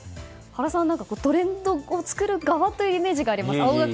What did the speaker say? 原さん、トレンドを作る側というイメージがありますが。